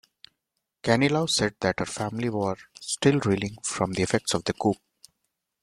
Ganilau said that her family was still reeling from the effects of the coup.